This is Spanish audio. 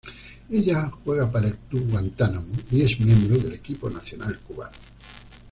Ella juega para el club Guantánamo y es miembro del equipo nacional cubano.